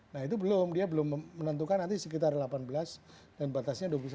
nah itu belum dia belum menentukan nanti sekitar delapan belas dan batasnya dua puluh satu